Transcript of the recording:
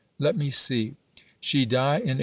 Let me see: she die in 1835!